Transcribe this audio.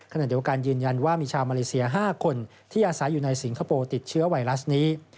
ขณะเดียวกันยืนยันว่ามีชาวมาเลเซีย๕คนที่อาศัยอยู่ในสิงคโปร์ติดเชื้อไวรัสนี้